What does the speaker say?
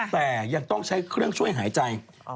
แต่ยังต้องใช้เครื่องช่วยหายใจ